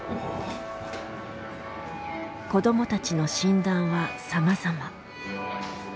子どもたちの診断はさまざま。